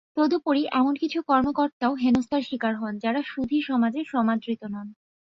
তদুপরি এমন কিছু কর্মকর্তাও হেনস্তার শিকার হন, যাঁরা সুধী সমাজে সমাদৃত নন।